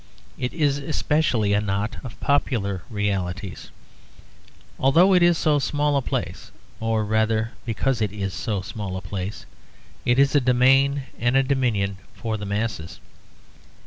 It is especially a knot of popular realities. Although it is so small a place, or rather because it is so small a place, it is a domain and a dominion for the masses.